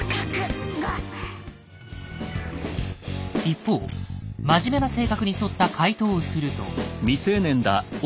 一方真面目な性格に沿った回答をすると。